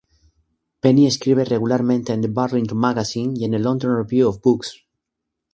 Penny escribe regularmente en "The Burlington Magazine" y en el "London Review of Books".